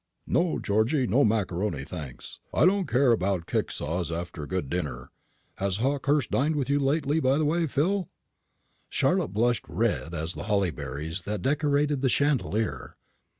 "No, Georgy; no macaroni, thanks. I don't care about kickshaws after a good dinner. Has Hawkehurst dined with you lately, by the way, Phil?" Charlotte blushed red as the holly berries that decorated the chandelier.